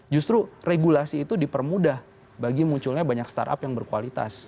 justru regulasi itu dipermudah bagi munculnya banyak startup yang berkualitas